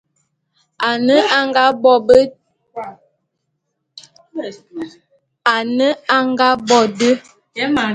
Ane a nga bo de.